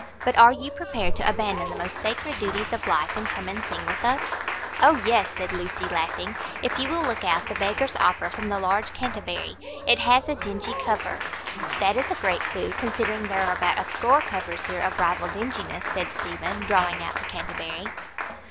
But are you prepared to abandon the most sacred duties of life, and come and sing with us?" "Oh, yes," said Lucy, laughing. "If you will look out the 'Beggar's Opera' from the large canterbury. It has a dingy cover." "That is a great clue, considering there are about a score covers here of rival dinginess," said Stephen, drawing out the canterbury.